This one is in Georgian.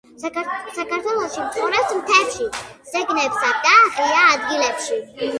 საქართველოში ცხოვრობს მთებში, ზეგნებსა და ღია ადგილებში.